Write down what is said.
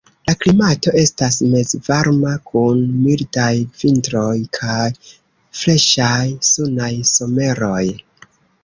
La klimato estas mezvarma kun mildaj vintroj kaj freŝaj, sunaj someroj.